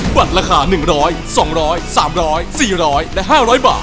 บัตรราคา๑๐๐๒๐๐๓๐๐๔๐๐และ๕๐๐บาท